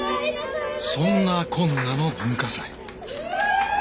そんなこんなの文化祭。